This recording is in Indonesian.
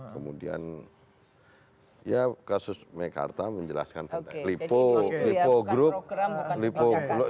kemudian kasus mekarta menjelaskan lipo lipo group lipo lut